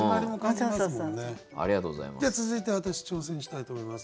じゃあ続いて私挑戦したいと思います